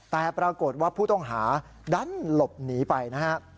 แต่ปรากฏว่าผู้ต้องหาดันหลบหนีไปนะฮะ